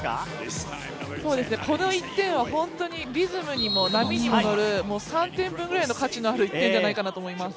この１点は本当にリズムにも波にも乗る３点分ぐらいの価値のある１点じゃないかと思います。